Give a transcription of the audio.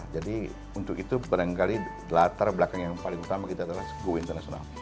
jadi untuk itu berangkali latar belakang yang paling utama kita adalah sebuah internasional